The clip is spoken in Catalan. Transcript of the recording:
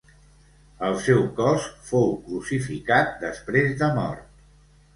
El seu cos fou crucificat després de mort.